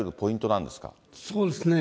なんそうですね。